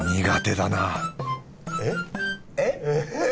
苦手だなえ？え？え？